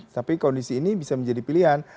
tapi kondisi ini bisa menjadi pilihan